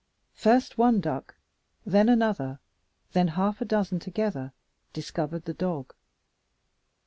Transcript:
First one duck, then another, then half a dozen together, discovered the dog.